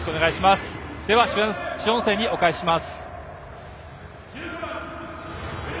主音声にお返しします。